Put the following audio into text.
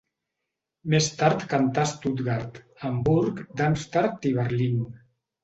Més tard cantà a Stuttgart, Hamburg, Darmstadt i Berlín.